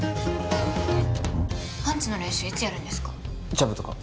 パンチの練習いつやるんですか？